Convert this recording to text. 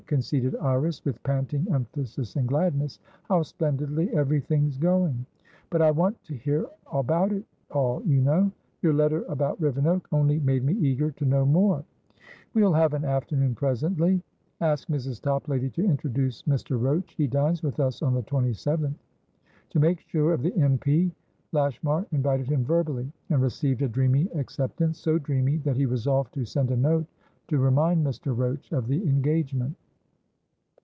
conceded Iris, with panting emphasis and gladness. "How splendidly everything's going! But I want to hear about it all, you know. Your letter about Rivenoak only made me eager to know more" "We'll have an afternoon presently. Ask Mrs. Toplady to introduce Mr. Roachhe dines with us on the 27th." To make sure of the M. P., Lashmar invited him verbally, and received a dreamy acceptanceso dreamy that he resolved to send a note, to remind Mr. Roach of the engagement.